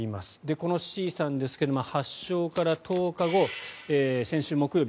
このＣさんですが発症から１０日後、先週木曜日